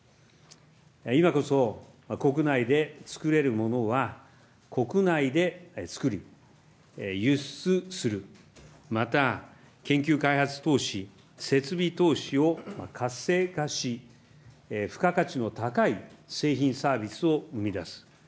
今こそ、国内で作れるものは国内で作り、輸出する、また研究開発投資、設備投資を活性化し、付加価値の高い製品・サービスを生み出す。